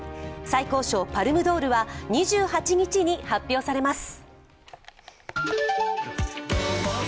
最高賞・パルムドールは２８日に発表されます。